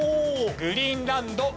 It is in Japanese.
グリーンランド。